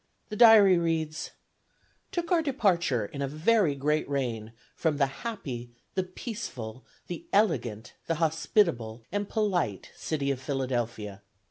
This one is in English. The Diary reads: "Took our departure, in a very great rain, from the happy, the peaceful, the elegant, the hospitable, and polite city of Philadelphia.